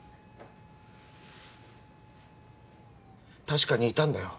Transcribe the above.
確かにいたんだよ。